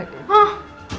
kejadian di daerah